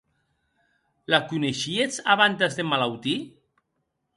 La coneishíetz abantes d'emmalautir?